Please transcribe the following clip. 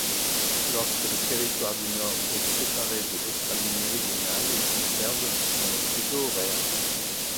Lorsque le Territoire du Nord est séparé de l'Australie-Méridionale, il conserve son fuseau horaire.